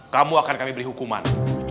kamu akan kami beri hukuman